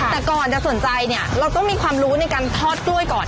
แต่ก่อนจะสนใจเนี่ยเราต้องมีความรู้ในการทอดกล้วยก่อน